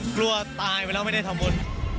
กลัวตายไปแล้วไม่ได้ทำบุญ